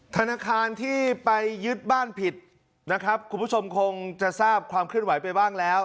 ธนาคารที่ไปยึดบ้านผิดนะครับคุณผู้ชมคงจะทราบความเคลื่อนไหวไปบ้างแล้ว